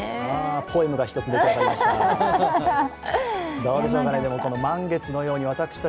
ポエムが一つ出来上がりました。